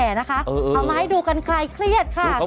เอามาให้ดูกันคลายเครียดค่ะ